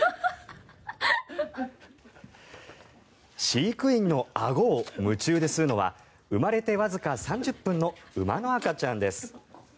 飼育員のあごを夢中で吸うのは生まれてわずか３０分の馬の赤ちゃんです。